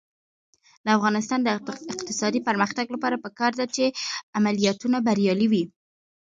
د افغانستان د اقتصادي پرمختګ لپاره پکار ده چې عملیاتونه بریالي وي.